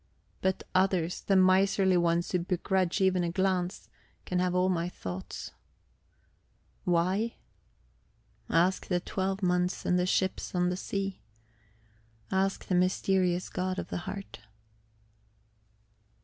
But others, the miserly ones who begrudge even a glance, can have all my thoughts. Why? Ask the twelve months and the ships on the sea; ask the mysterious God of the heart...